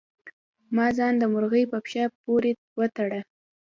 ما ځان د مرغۍ په پښه پورې وتړه.